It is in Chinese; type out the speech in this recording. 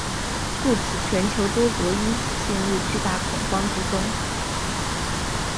故此全球多国因此陷入巨大恐慌之中。